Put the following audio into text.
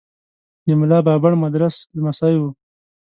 د ملا بابړ مدرس لمسی و.